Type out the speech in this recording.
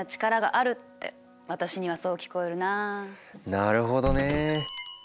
なるほどね。